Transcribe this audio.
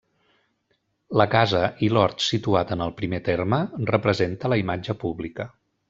La casa i l'hort situat en el primer terme, representa la imatge pública.